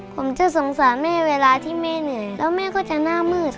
ผมจะสงสารแม่เวลาที่แม่เหนื่อยแล้วแม่ก็จะหน้ามืด